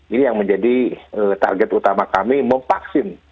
ini yang menjadi target utama kami memvaksin